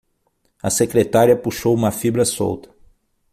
A secretária puxou uma fibra solta.